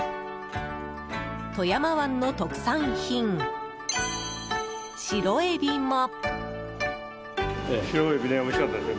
富山湾の特産品、白エビも。